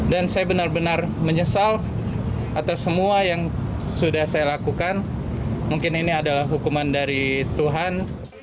dan saya benar benar menyesal atas semua yang sudah saya lakukan mungkin ini adalah hukuman dari tuhan